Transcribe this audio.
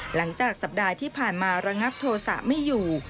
หลังจากสัปดาห์ที่ผ่านมาระงับโทษะไม่อยู่